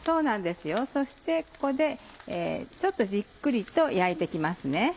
そしてここでちょっとじっくりと焼いて行きますね。